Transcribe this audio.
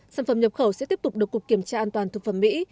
sản phẩm nhập khẩu sẽ tiếp tục được cục kiểm tra an toàn thực phẩm mỹ